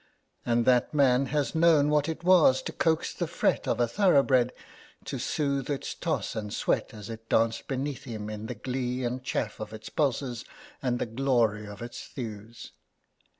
And that man has known what it was to coax the fret of a thoroughbred, to soothe its toss and sweat as it danced beneath him in the glee and chafe of its pulses and the glory of its thews.